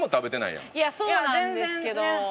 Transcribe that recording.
いやそうなんですけど。